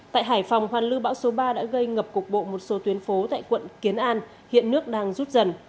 tại hải phòng hoàn lưu bão số ba đã gây ngập cục bộ một số tuyến phố tại quận kiến an hiện nước đang rút dần